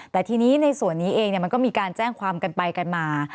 แต่ทีนี้ในส่วนนี้เองมันก็มีการแจ้งความกันไปกันมา